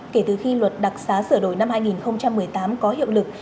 kể từ khi luật đặc xá sửa đổi năm hai nghìn một mươi tám có hiệu lực